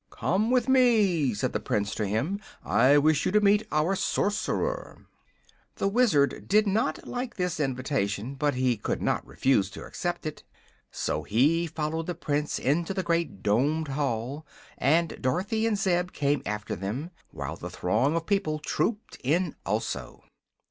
"Come with me," said the Prince to him. "I wish you to meet our Sorcerer." The Wizard did not like this invitation, but he could not refuse to accept it. So he followed the Prince into the great domed hall, and Dorothy and Zeb came after them, while the throng of people trooped in also.